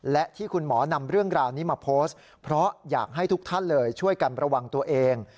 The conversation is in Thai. และที่คุณหมอนำเรื่องราวนี้มาโพสต์เพราะอยากให้ทุกท่านเลยช่วยกันระวังตัวเอง